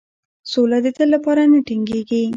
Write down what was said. سوله د تل لپاره نه ټینګیږي.